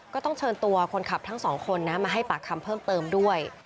ก็ต้องเชิญตัวคนขับทั้งสองคนนะมาให้ปากคำเพิ่มเติมด้วย